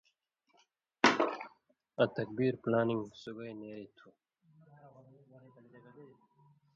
آں تکبیر (پلانِنگ) سُگائ نېریں تُھو،